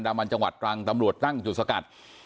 ดังวันจังหวัดกลางตำรวจนั่งจุดสกัด